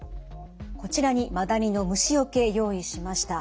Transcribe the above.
こちらにマダニの虫よけ用意しました。